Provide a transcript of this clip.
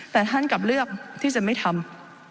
แต่ท่านกลับเลือกที่จะไม่ทำ